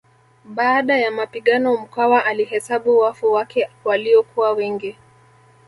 Baada ya mapigano Mkwawa alihesabu wafu wake waliokuwa wengi